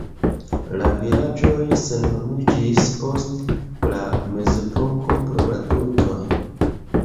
La vilaĝoj senhomiĝis post la mezepoko pro la turkoj.